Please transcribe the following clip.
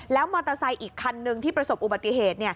แล้วมอเตอร์ไซค์อีกคันหนึ่งที่ประสบอุบัติเหตุ